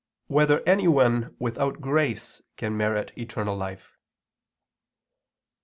2] Whether Anyone Without Grace Can Merit Eternal Life?